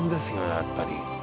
やっぱり。